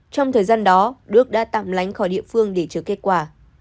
trong thời gian đó đức đã tạm lánh khỏi địa phương để chờ kết quả